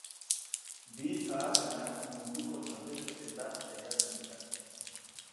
Bi zaharrenak munduko txapelketetan lehiatzen dira.